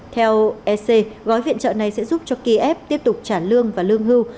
theo ec gói viện trợ này sẽ giúp cho kiev tiếp tục trả lương và lương hưu